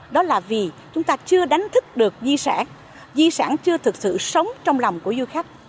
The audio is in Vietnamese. đó là vì chúng ta chưa đánh thức được di sản di sản chưa thực sự sống trong lòng của du khách